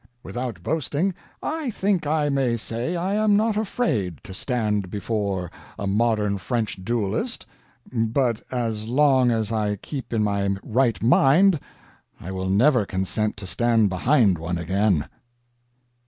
Without boasting, I think I may say I am not afraid to stand before a modern French duelist, but as long as I keep in my right mind I will never consent to stand behind one again.